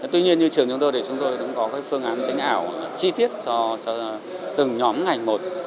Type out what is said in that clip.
tuy nhiên như trường chúng tôi thì chúng tôi cũng có cái phương án thí sinh ảo chi tiết cho từng nhóm ngành một